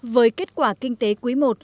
với kết quả kinh tế quý i